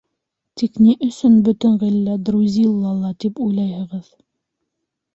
Тик ни өсөн бөтөн ғиллә Друзиллала тип уйлайһығыҙ?